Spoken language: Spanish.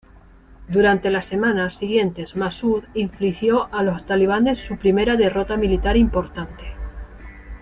Durante las semanas siguientes Massoud infligió a los talibanes su primera derrota militar importante.